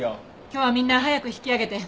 今日はみんな早く引き揚げて。